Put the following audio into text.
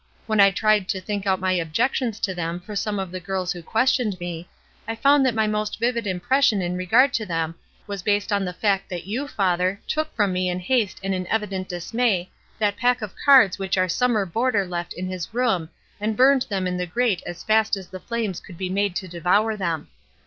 When I tried to think out my objections to them for some of the girls who questioned me, I found that my most vivid impression in regard to them was based on the fact that you, father, took from me in haste and in evident dismay that pack SCRUPLES 99 of cards which our summer boarder left in his room and burned them in the grate as fast as the flames could be made to devour them.